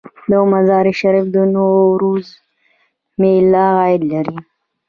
د مزار شریف د نوروز میله عاید لري؟